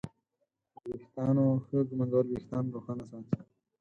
د ویښتانو ښه ږمنځول وېښتان روښانه ساتي.